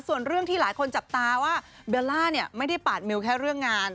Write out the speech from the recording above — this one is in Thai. ส่วนเรื่องที่หลายคนจับตาว่าเบลล่าเนี่ยไม่ได้ปาดมิวแค่เรื่องงาน